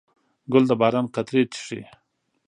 ګل د باران قطرې څښي.